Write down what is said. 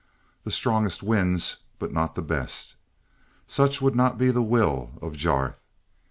The strongest wins, but not the best. Such would not be the will of Jarth.